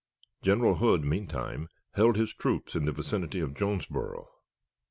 General Hood, meantime, held his troops in the vicinity of Jonesboro.